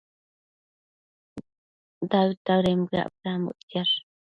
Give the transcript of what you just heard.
daëd-daëden bëac bedambo ictsiash